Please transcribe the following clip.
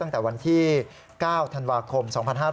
ตั้งแต่วันที่๙ธันวาคม๒๕๕๙